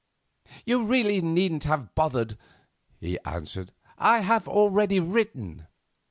"You really needn't have troubled," he answered. "I have already written."